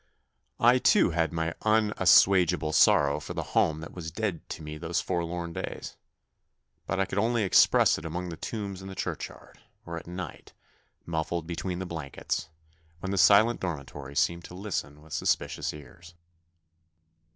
I, too, had my unassuage able sorrow for the home that was dead to me those forlorn days ; but I could only express it among the tombs in the churchyard, or at night, muffled between the blankets, when the silent dormitory seemed to listen with suspicious ears.